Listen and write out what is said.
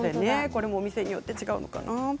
これもお店によって違うのかな。